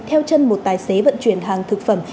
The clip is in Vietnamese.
theo chân một tài xế vận chuyển hàng thực phẩm